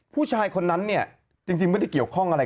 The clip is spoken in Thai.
ผู้ชายคนนั้นเนี่ยจริงไม่ได้เกี่ยวข้องอะไร